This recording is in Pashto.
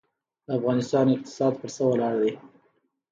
د افغانستان اقتصاد پر څه ولاړ دی؟